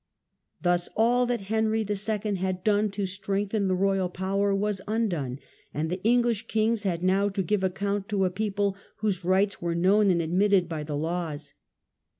Thus all that Henry II. had done to strengthen the royal power was undone; and the English kings had now to give account to a people whose rights were known and admitted by the laws.